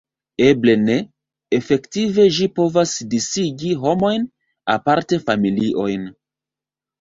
Eble ne: efektive ĝi povas disigi homojn, aparte familiojn.